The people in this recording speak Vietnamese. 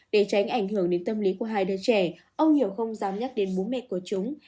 để tránh ảnh hưởng đến tâm lý của hai đứa trẻ ông hiểu không dám nhắc đến bố mẹ của chúng